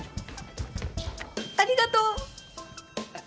ありがとう。えっ。